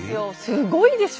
すごいでしょ？